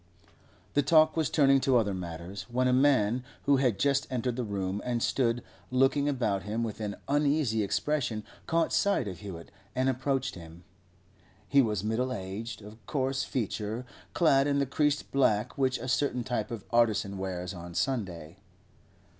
The talk was turning to other matters, when a man who had just entered the room and stood looking about him with an uneasy expression caught sight of Hewett and approached him. He was middle aged, coarse of feature, clad in the creased black which a certain type of artisan wears on Sunday.